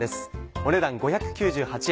お値段５９８円。